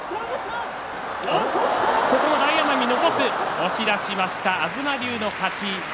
押し出しました東龍の勝ち。